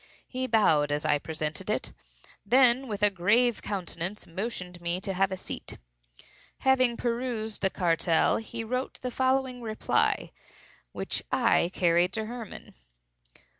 He bowed as I presented it; then, with a grave countenance, motioned me to a seat. Having perused the cartel, he wrote the following reply, which I carried to Hermann.